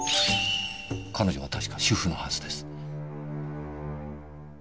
彼女は確か主婦のはずです。